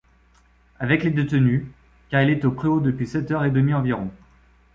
Avec les détenus, car il est au préau depuis sept heures et demie environ.